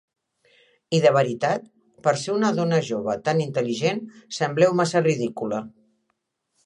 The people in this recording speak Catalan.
I de veritat, per ser una dona jove tan intel·ligent, sembleu massa ridícula.